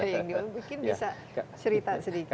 mungkin bisa cerita sedikit